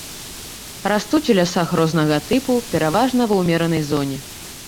Растуць у лясах рознага тыпу пераважна ва ўмеранай зоне.